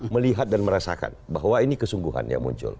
melihat dan merasakan bahwa ini kesungguhan yang muncul